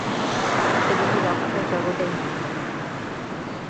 এ দেহের রক্ষায় জগতের মঙ্গল।